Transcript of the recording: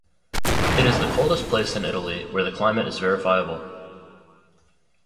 It is the coldest place in Italy where the climate is verifiable.